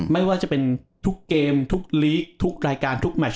ไม่ว่าจะเป็นทุกเกมทุกลีกทุกรายการทุกแมช